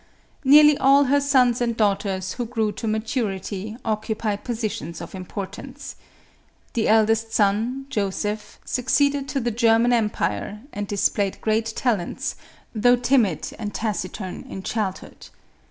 Nearly all her sons and daughters, who grew to ma turity, occupied positions of importance. The eldest son, Joseph, succeeded to the German Empire, and displayed great talents, though timid and taciturn in childhood.